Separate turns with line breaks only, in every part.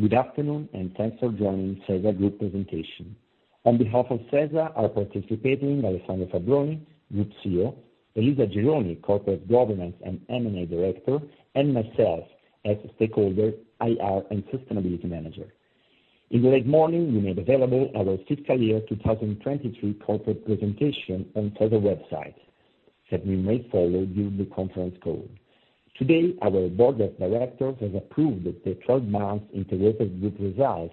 Good afternoon, thanks for joining SeSa Group presentation. On behalf of SeSa, are participating Alessandro Fabbroni, Group CEO, Elisa Gironi, Corporate Governance and M&A Director, and myself as Stakeholder, IR, and Sustainability Manager. In the late morning, we made available our fiscal year 2023 corporate presentation on SeSa website, that we may follow during the conference call. Today, our board of directors has approved the 12-month integrated group results,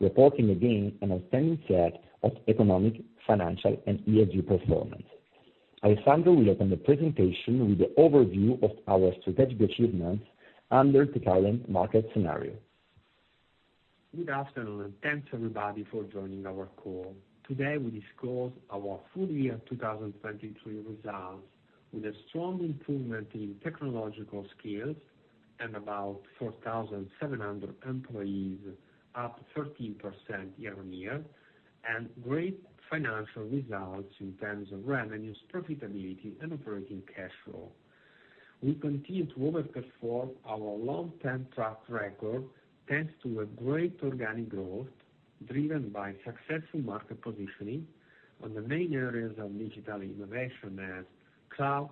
reporting again an outstanding set of economic, financial, and ESG performance. Alessandro will open the presentation with the overview of our strategic achievements under the current market scenario.
Good afternoon, and thanks, everybody, for joining our call. Today, we discuss our full year 2023 results, with a strong improvement in technological skills and about 4,700 employees, up 13% year-on-year, and great financial results in terms of revenues, profitability, and operating cash flow. We continue to overperform our long-term track record, thanks to a great organic growth driven by successful market positioning on the main areas of digital innovation as cloud,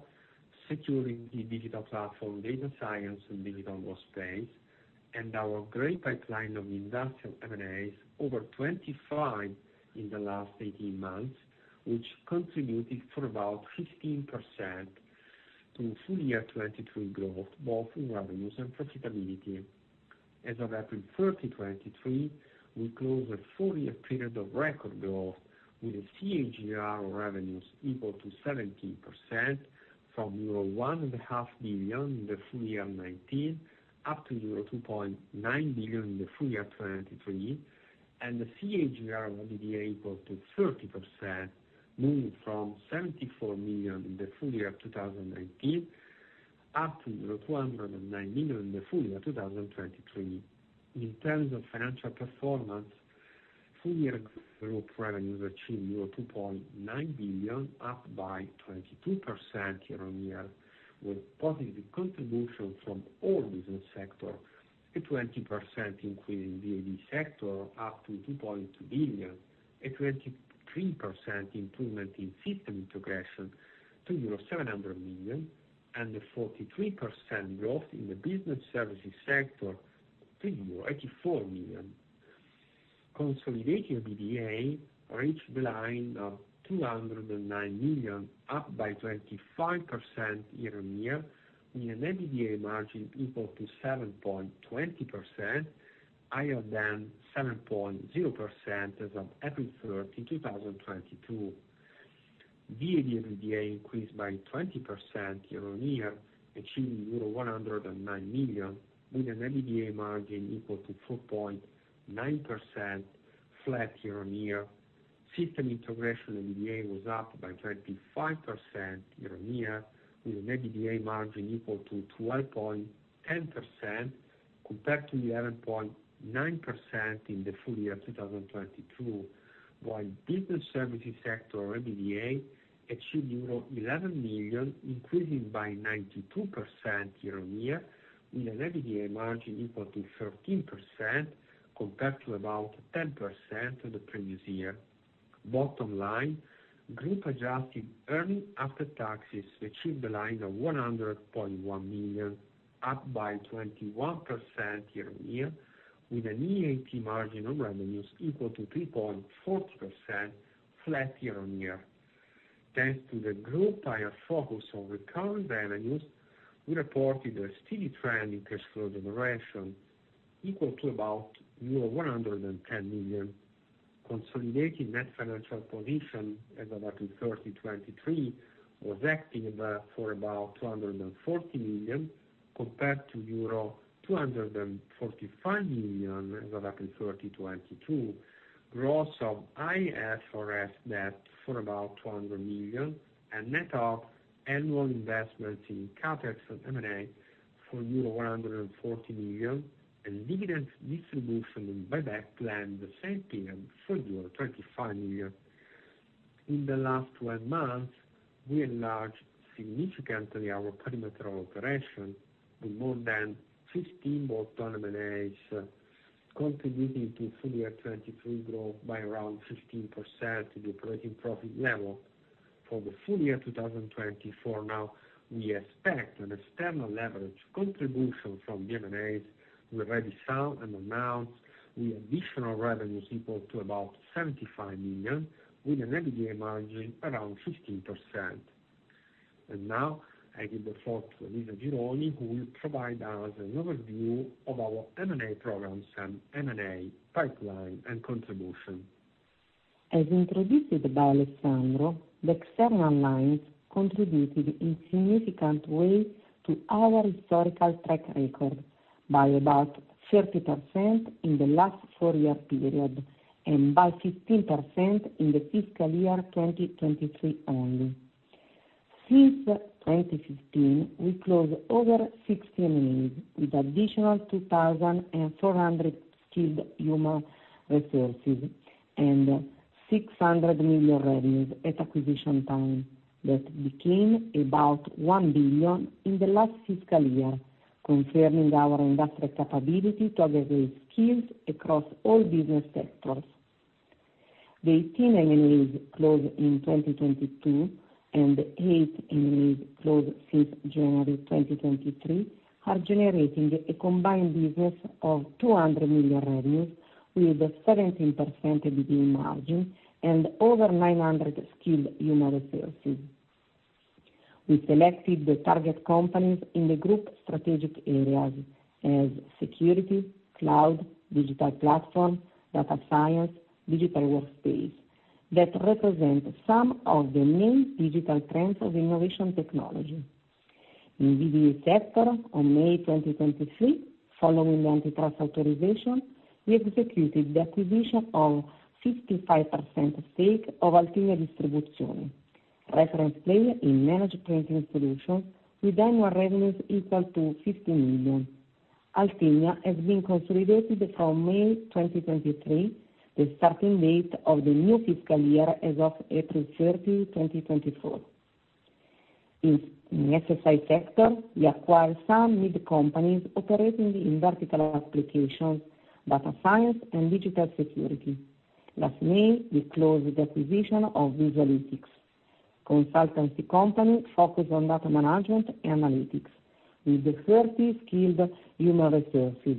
securing the digital platform, data science, and digital workspace, and our great pipeline of industrial M&As, over 25 in the last 18 months, which contributed for about 15% to full year 2023 growth, both in revenues and profitability. As of April 30, 2023, we closed a full year period of record growth, with a CAGR revenues equal to 17% from euro one and a half billion in the full year 2019, up to euro 2.9 billion in the full year 2023, and the CAGR EBITDA equal to 30%, moving from 74 million in the full year 2018, up to 209 million in the full year 2023. In terms of financial performance, full year group revenues achieved 2.9 billion, up by 22% year-on-year, with positive contribution from all business sector, a 20% increase in VAD sector, up to 2.2 billion, a 23% improvement in system integration to euro 700 million, and a 43% growth in the business services sector to euro 84 million. Consolidating EBITDA reached the line of 209 million, up by 25% year-on-year, with an EBITDA margin equal to 7.20%, higher than 7.0% as of April 30, 2022. VAD EBITDA increased by 20% year-on-year, achieving 109 million, with an EBITDA margin equal to 4.9%, flat year-on-year. System integration EBITDA was up by 25% year-on-year, with an EBITDA margin equal to 12.10%, compared to 11.9% in the full year of 2022. Business services sector EBITDA achieved EUR 11 million, increasing by 92% year-on-year, with an EBITDA margin equal to 13%, compared to about 10% in the previous year. Bottom line, group adjusted earnings after taxes achieved the line of 100.1 million, up by 21% year-on-year, with an EAT margin on revenues equal to 3.4%, flat year-on-year. Thanks to the group higher focus on recurrent revenues, we reported a steady trend in cash flow generation, equal to about 110 million. Consolidating net financial position as of April 30, 2023, was negative for about 240 million, compared to euro 245 million as of April 30, 2022, gross of IFRS debt for about 200 million, and net of annual investments in CapEx and M&A for euro 140 million, and dividend distribution and buyback plan in the same period for euro 25 million. In the last 12 months, we enlarged significantly our perimeter operation with more than 15 bolt-on M&As, contributing to full year 2023 growth by around 15% to the operating profit level. For the full year 2024, now, we expect an external leverage contribution from the M&As we already signed and announced, with additional revenues equal to about 75 million, with an EBITDA margin around 15%. Now, I give the floor to Elisa Gironi, who will provide us an overview of our M&A programs and M&A pipeline and contribution.
As introduced by Alessandro, the external lines contributed in significant way to our historical track record by about 30% in the last four-year period, and by 15% in the fiscal year 2023 only. Since 2015, we closed over 16 M&As, with additional 2,400 skilled human resources and 600 million revenues at acquisition time. That became about 1 billion in the last fiscal year, confirming our industrial capability to aggregate skills across all business sectors.... The 18 M&As closed in 2022 and 8 M&As closed since January 2023, are generating a combined business of 200 million revenues, with 17% EBITDA margin and over 900 skilled human resources. We selected the target companies in the group strategic areas as security, cloud, digital platform, data science, digital workspace, that represent some of the main digital trends of innovation technology. In VAD sector, on May 2023, following the antitrust authorization, we executed the acquisition of 55% stake of Altinia Distribuzione, reference player in managed printing solution, with annual revenues equal to 50 million. Altinia has been consolidated from May 2023, the starting date of the new fiscal year, as of April 30, 2024. In SSI sector, we acquired some mid companies operating in vertical applications, data science, and digital security. Last May, we closed the acquisition of Visualitics, consultancy company focused on data management and analytics, with 30 skilled human resources,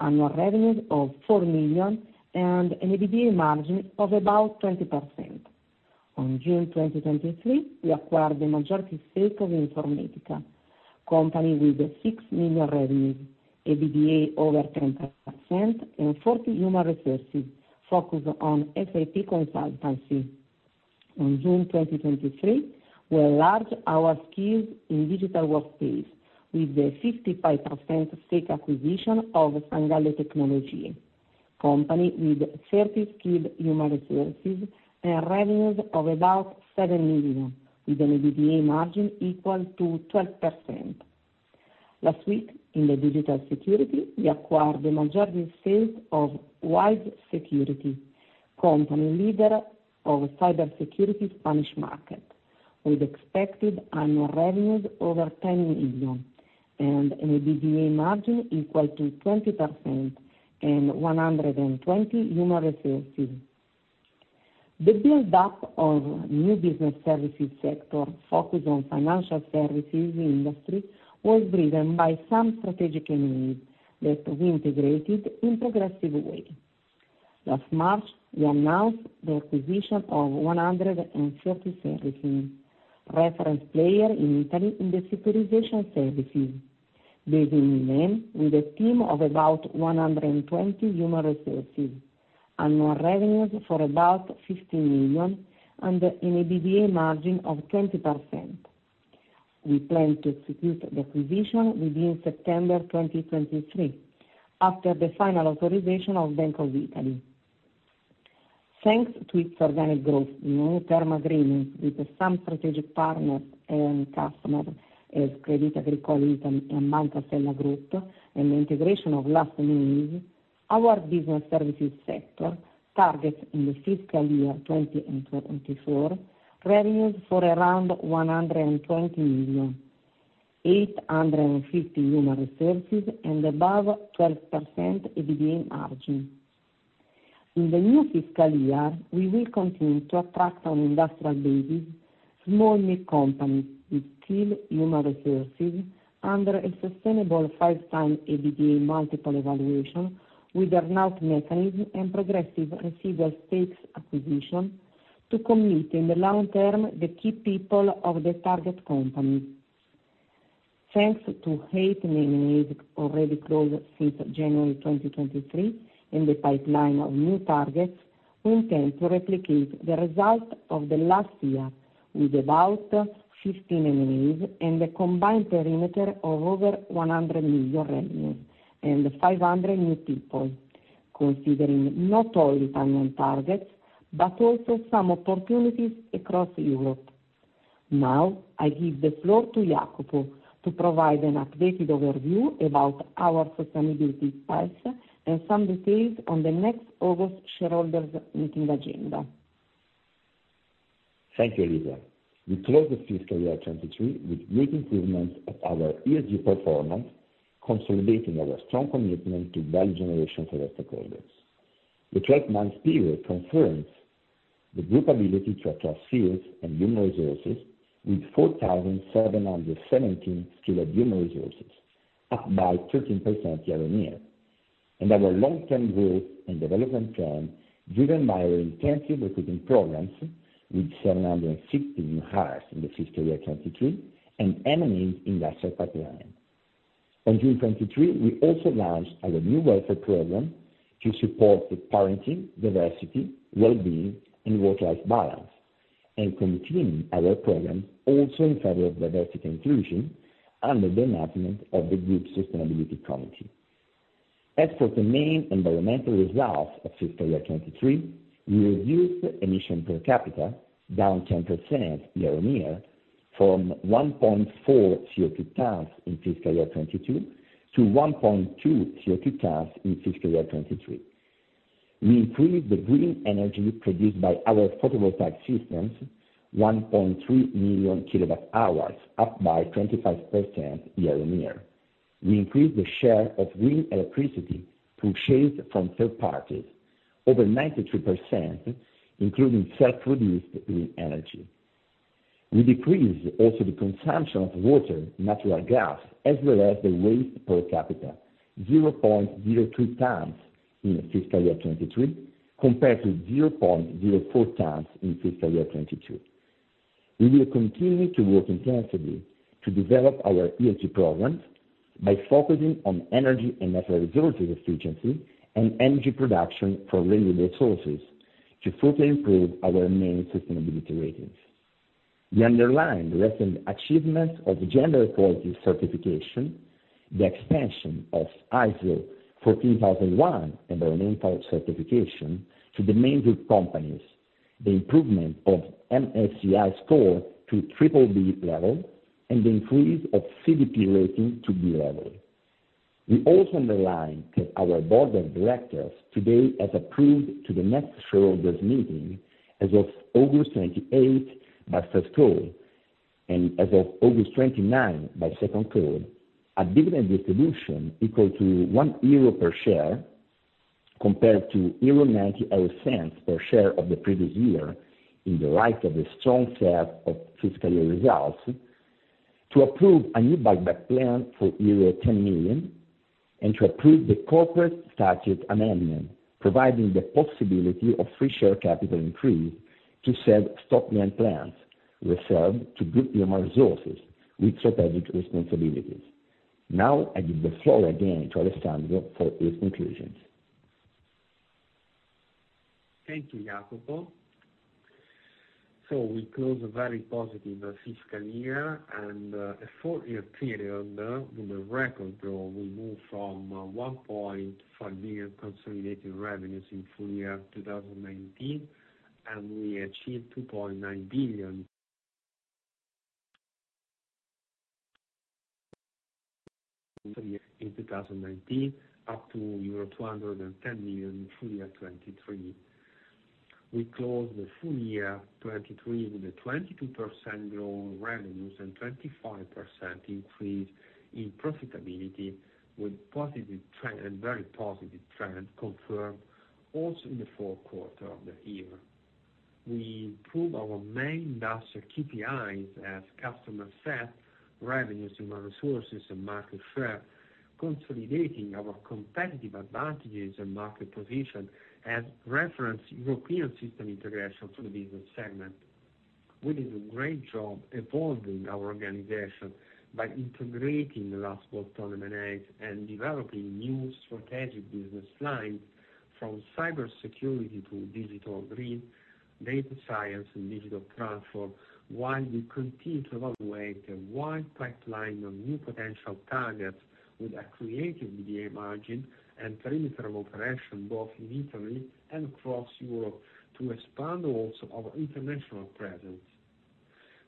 annual revenues of 4 million, and an EBITDA margin of about 20%. On June 2023, we acquired the majority stake of InformEtica, company with 6 million revenues, EBITDA over 10%, and 40 human resources focused on SAP consultancy. On June 2023, we enlarged our skills in digital workspace with the 55% stake acquisition of Sangalli Tecnologie, company with 30 skilled human resources and revenues of about 7 million, with an EBITDA margin equal to 12%. Last week, in the digital security, we acquired the majority stake of Wise Security Global, company leader of cybersecurity Spanish market, with expected annual revenues over 10 million and an EBITDA margin equal to 20% and 120 human resources. The build-up of new business services sector, focused on financial services industry, was driven by some strategic M&A that we integrated in progressive way. Last March, we announced the acquisition of 130 Servicing, reference player in Italy in the securitization services, based in Milan, with a team of about 120 human resources, annual revenues for about 50 million, and an EBITDA margin of 20%. We plan to execute the acquisition within September 2023, after the final authorization of Bank of Italy. Thanks to its organic growth, new term agreement with some strategic partners and customers, as Crédit Agricole Italia and Monte dei Paschi Group, and the integration of last M&As, our business services sector targets in the fiscal year 2024, revenues for around 120 million, 850 human resources, and above 12% EBITDA margin. In the new fiscal year, we will continue to attract on industrial basis, small mid companies with skilled human resources under a sustainable 5-time EBITDA multiple evaluation, with earn-out mechanism and progressive residual stakes acquisition, to commit in the long term the key people of the target company. Thanks to 8 M&As already closed since January 2023, and the pipeline of new targets, we intend to replicate the result of the last year with about 15 M&As and a combined perimeter of over 100 million revenues and 500 new people, considering not only Italian targets, but also some opportunities across Europe. Now, I give the floor to Jacopo to provide an updated overview about our sustainability paths and some details on the next August shareholders meeting agenda.
Thank you, Elisa. We closed the fiscal year 2023 with great improvements of our ESG performance, consolidating our strong commitment to value generation for our stakeholders. The twelve-month period confirms the Group ability to attract skills and human resources, with 4,717 skilled human resources, up by 13% year-on-year, and our long-term growth and development plan, driven by our intensive recruiting programs, with 760 new hires in the fiscal year 2023, and M&A in the asset pipeline. On June 23, we also launched our new welfare program to support the parenting, diversity, wellbeing, and work-life balance, and continuing our program also in favor of diversity and inclusion under the management of the Group Sustainability Committee. As for the main environmental results of fiscal year 2023, we reduced emission per capita, down 10% year-on-year, from 1.4 CO2 tons in fiscal year 2022, to 1.2 CO2 tons in fiscal year 2023. We improved the green energy produced by our photovoltaic systems, 1.3 million kilowatt hours, up by 25% year-on-year.... we increased the share of green electricity through shares from third parties, over 93%, including self-produced green energy. We decreased also the consumption of water, natural gas, as well as the waste per capita, 0.02 tons in fiscal year 2023, compared to 0.04 tons in fiscal year 2022. We will continue to work intensively to develop our ESG programs by focusing on energy and natural resources efficiency and energy production from renewable sources to fully improve our main sustainability ratings. We underline recent achievement of gender equality certification, the expansion of ISO 14001 environmental certification to the main group companies, the improvement of MSCI score to BBB level, and the increase of CDP rating to B level. We also underline that our board of directors today has approved to the next shareholders meeting as of August 28th, by first call, and as of August 29th, by second call, a dividend distribution equal to 1 euro per share, compared to 0.98 per share of the previous year, in the light of the strong set of fiscal year results, to approve a new buyback plan for euro 10 million, and to approve the corporate statute amendment, providing the possibility of free share capital increase to sell stock grant plans reserved to group human resources with strategic responsibilities. Now I give the floor again to Alessandro for his conclusions.
Thank you, Jacopo. We close a very positive fiscal year and a four-year period with a record growth. We move from 1.5 billion consolidated revenues in full year 2019, and we achieved EUR 2.9 billion in 2019, up to euro 210 million in full year 2023. We closed the full year 2023 with a 22% growth revenues and 25% increase in profitability, with positive trend, a very positive trend confirmed also in the 4th quarter of the year. We improved our main industrial KPIs as customer set, revenues, human resources, and market share, consolidating our competitive advantages and market position as reference European system integration for the business segment. We did a great job evolving our organization by integrating the last bought M&As and developing new strategic business lines, from cybersecurity to Digital Green, data science, and digital transform, while we continue to evaluate a wide pipeline of new potential targets with accretive EBITDA margin and perimeter of operation, both in Italy and across Europe, to expand also our international presence.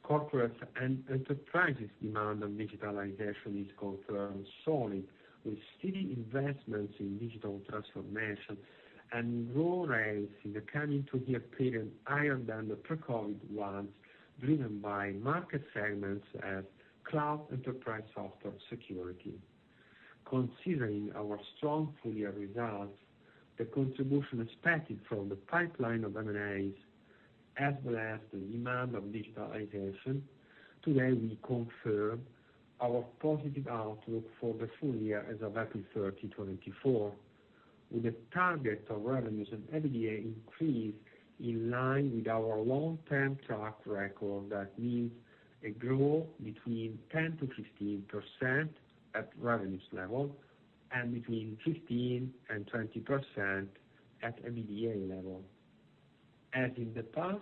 Corporate and enterprises demand on digitalization is confirmed solid, with steady investments in digital transformation and growth rates in the coming two-year period higher than the pre-COVID ones, driven by market segments as cloud enterprise software security. Considering our strong full-year results, the contribution expected from the pipeline of M&As, as well as the demand of digitalization, today, we confirm our positive outlook for the full year as of April 30, 2024, with a target of revenues and EBITDA increase in line with our long-term track record. That means a growth between 10%-15% at revenues level and between 15% and 20% at EBITDA level. As in the past,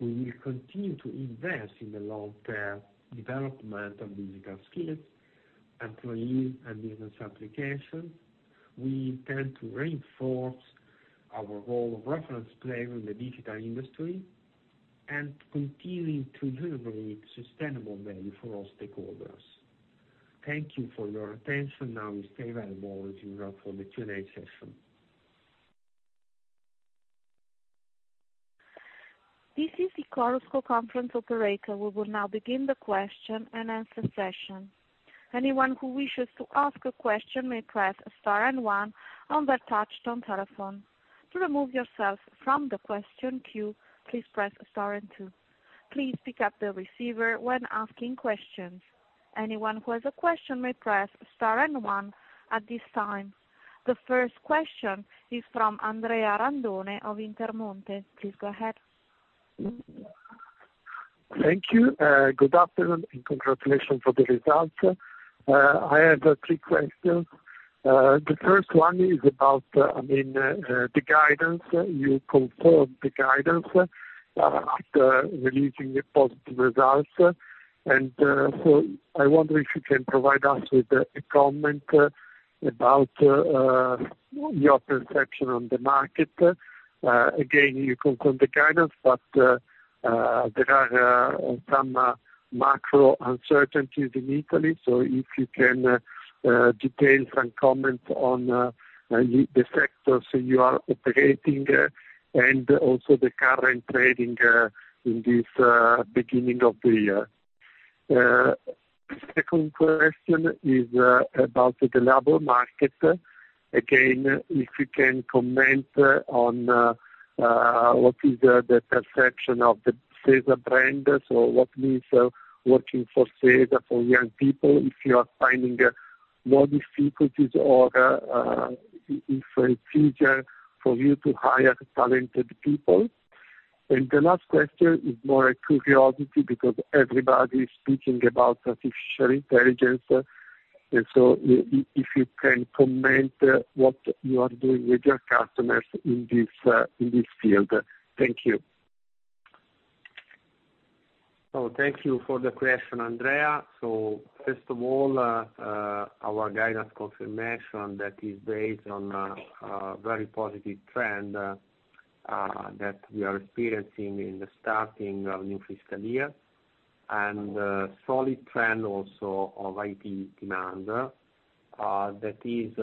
we will continue to invest in the long-term development of digital skills, employees, and business application. We intend to reinforce our role of reference player in the digital industry and continuing to deliver sustainable value for all stakeholders. Thank you for your attention. We stay available as you are for the Q&A session.
This is the Chorus Call conference operator. We will now begin the question-and-answer session. Anyone who wishes to ask a question may press star and one on their touchtone telephone. To remove yourself from the question queue, please press star and two. Please pick up the receiver when asking questions. Anyone who has a question may press star and one at this time. The first question is from Andrea Randone of Intermonte. Please go ahead.
Thank you. Good afternoon, and congratulations for the results. I have three questions. The first one is about, I mean, the guidance. You confirmed the guidance after releasing the positive results. I wonder if you can provide us with a comment about your perception on the market. Again, you confirm the guidance, but there are some macro uncertainties in Italy. If you can detail some comments on the sectors you are operating, and also the current trading in this beginning of the year. Second question is about the labor market. Again, if you can comment on what is the perception of the SeSa brand? What means working for SeSa for young people, if you are finding more difficulties or if it's easier for you to hire talented people? The last question is more a curiosity, because everybody is speaking about artificial intelligence, and so if you can comment what you are doing with your customers in this field. Thank you.
Thank you for the question, Andrea. First of all, our guidance confirmation that is based on very positive trend that we are experiencing in the starting of new fiscal year. Solid trend also of IT demand that is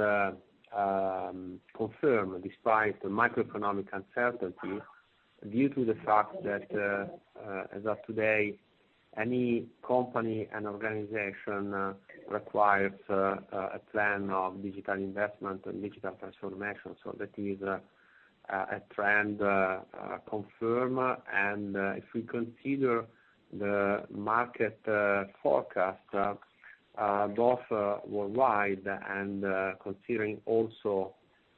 confirmed despite the macroeconomic uncertainty, due to the fact that as of today, any company and organization requires a plan of digital investment and digital transformation. That is a trend confirm, and if we consider the market forecast both worldwide and considering also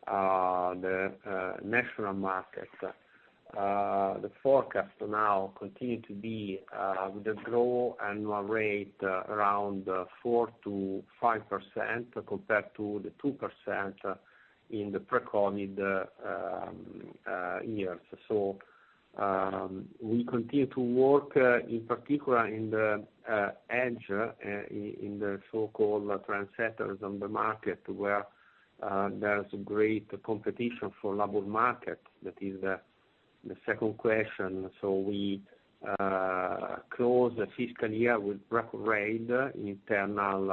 the national market, the forecast now continue to be with the growth annual rate around 4%-5% compared to the 2% in the pre-COVID years. We continue to work in particular in the edge, in the so-called trendsetters on the market, where there's great competition for labor market. That is the second question. We close the fiscal year with record rate internal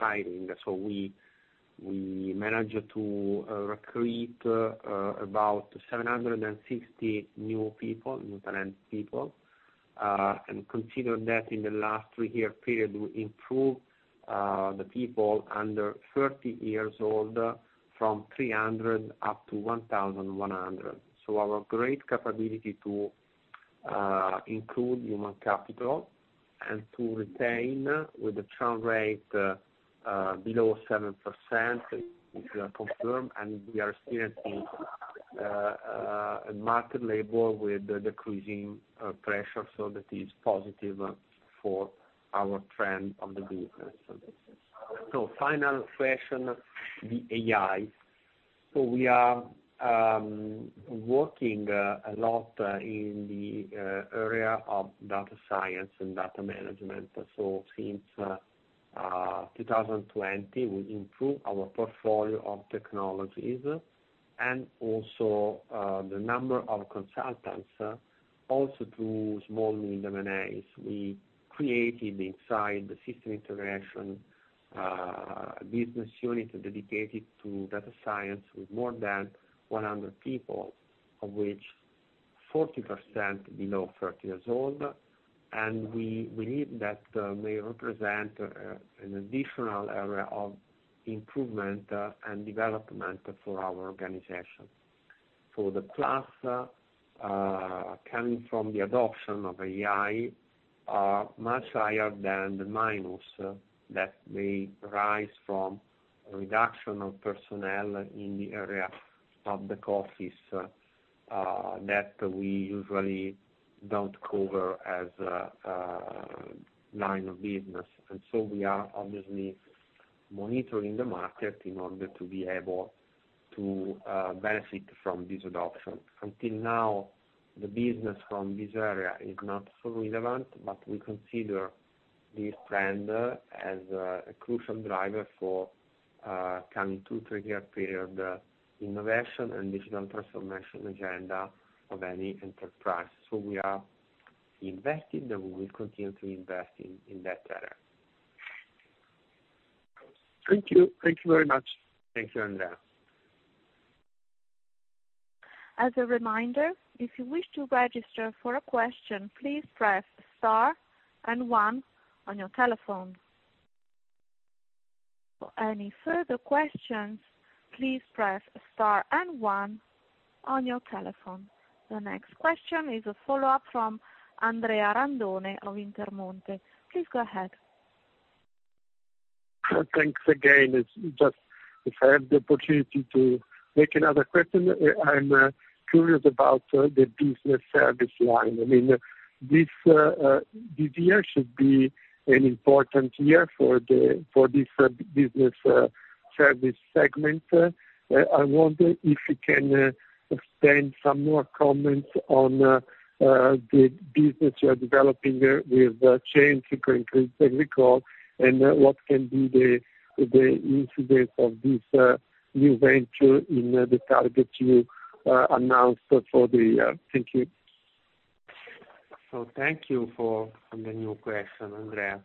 hiring. We managed to recruit about 760 new people, new talent people, and consider that in the last three-year period, we improved the people under 30 years old from 300 up to 1,100. Our great capability to include human capital and to retain with the churn rate below 7%, which are confirmed, and we are experiencing a market labor with decreasing pressure, that is positive for our trend of the business. Final question, the AI. We are working a lot in the area of data science and data management. Since 2020, we improved our portfolio of technologies and also the number of consultants, also through small and medium M&As. We created inside the System Integration a business unit dedicated to data science with more than 100 people, of which 40% below 30 years old, and we believe that may represent an additional area of improvement and development for our organization. The plus coming from the adoption of AI, are much higher than the minus, that may rise from reduction of personnel in the area of the offices, that we usually don't cover as a line of business. We are obviously monitoring the market in order to be able to benefit from this adoption. Until now, the business from this area is not so relevant, but we consider this trend as a crucial driver for coming 2-3-year period innovation and digital transformation agenda of any enterprise. We are invested, and we will continue to invest in that area.
Thank you. Thank you very much.
Thank you, Andrea.
As a reminder, if you wish to register for a question, please press star and one on your telephone. For any further questions, please press star and one on your telephone. The next question is a follow-up from Andrea Randone of Intermonte. Please go ahead.
Thanks again. I'm curious about the business service line. I mean, this year should be an important year for this business service segment. I wonder if you can extend some more comments on the business you are developing with value chain, as we call, and what can be the incident of this new venture in the targets you announced for the year? Thank you.
Thank you for the new question, Andrea.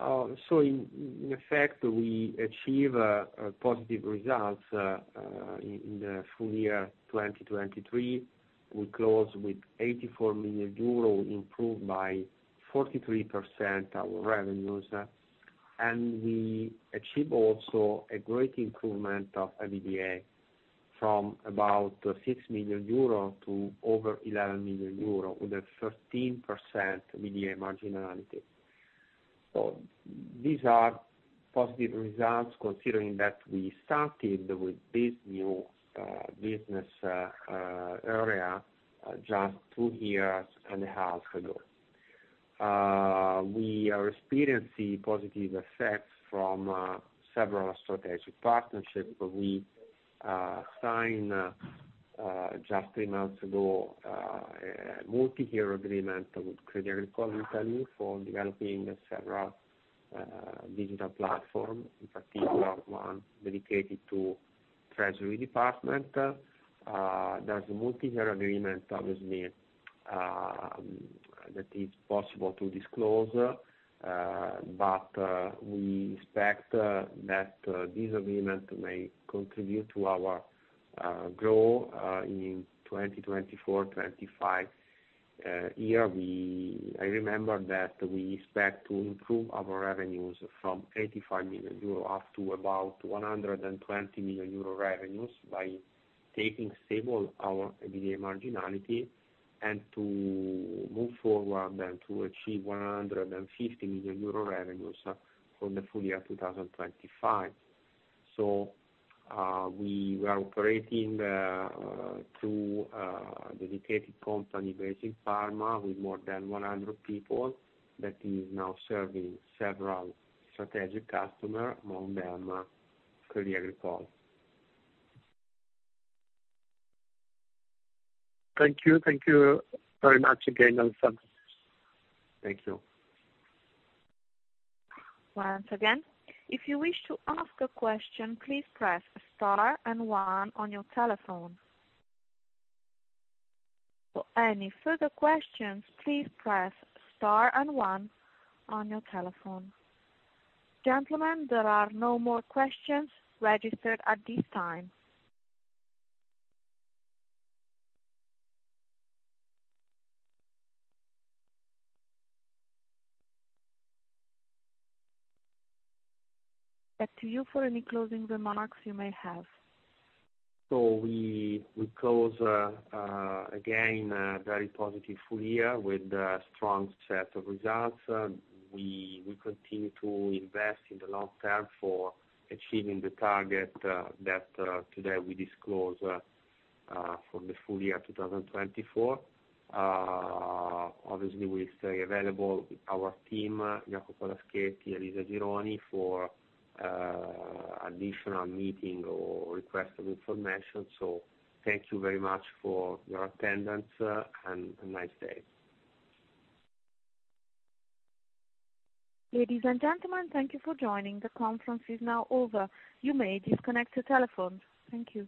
In effect, we achieve a positive results in the full year 2023. We close with 84 million euro, improved by 43% our revenues. We achieve also a great improvement of EBITDA from about 6 million euro to over 11 million euro, with a 13% EBITDA marginality. These are positive results, considering that we started with this new business area just 2 years and a half ago. We are experiencing positive effects from several strategic partnerships. We sign just 3 months ago a multi-year agreement with Crédit Agricole Italia for developing several digital platform, in particular, one dedicated to treasury department. There's a multi-year agreement, obviously, that is possible to disclose. We expect that this agreement may contribute to our growth in 2024, 2025. Hear I remember that we expect to improve our revenues from 85 million euro up to about 120 million euro revenues by keeping stable our EBITDA marginality, to move forward and to achieve 150 million euro revenues for the full year, 2025. We are operating through dedicated company based in Parma, with more than 100 people, that is now serving several strategic customer, among them, Crédit Agricole.
Thank you. Thank you very much again, Andrea. Thank you.
Once again, if you wish to ask a question, please press Star and One on your telephone. For any further questions, please press Star and One on your telephone. Gentlemen, there are no more questions registered at this time. Back to you for any closing remarks you may have.
We close again, a very positive full year with a strong set of results. We continue to invest in the long term for achieving the target that today we disclose for the full year, 2024. Obviously, we stay available with our team, Jacopo Laschetti, Elisa Gironi, for additional meeting or request of information. Thank you very much for your attendance, and a nice day.
Ladies and gentlemen, thank you for joining. The conference is now over. You may disconnect your telephones. Thank you.